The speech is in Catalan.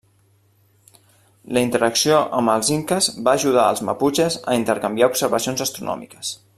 La interacció amb els inques va ajudar als maputxes a intercanviar observacions astronòmiques.